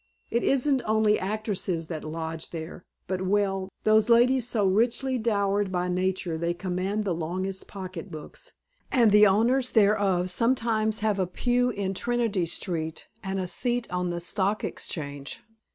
It isn't only actresses that lodge there, but well those ladies so richly dowered by nature they command the longest pocketbooks, and the owners thereof sometimes have a pew in Trinity Church and a seat on the Stock Exchange.